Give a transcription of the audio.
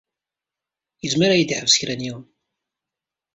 Izmer ad yi-d-iḥbes kra n yiwen.